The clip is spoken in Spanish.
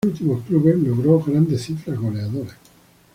En sus dos últimos clubes logró grandes cifras goleadoras.